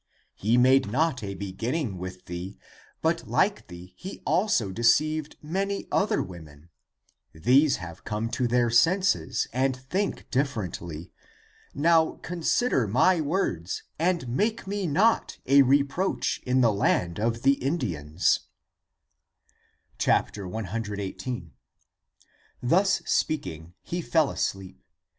He made not a beginning with thee, but like thee he also deceived many other women. These have come to their senses and think differently. Now consider my words and make me not a reproach in the land of the Indians." 1 1 8. Thus speaking, he fell asleep.